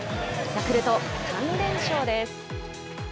ヤクルト、３連勝です。